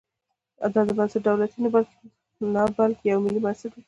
دا بنسټ دولتي نه بلکې یو ملي بنسټ وي.